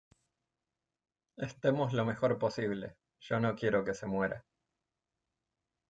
estemos lo mejor posible. yo no quiero que se muera